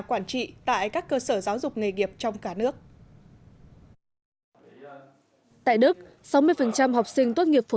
quản trị tại các cơ sở giáo dục nghề nghiệp trong cả nước tại đức sáu mươi học sinh tốt nghiệp phổ